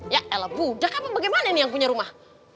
ya elah budak apa bagaimana nih yang punya rumah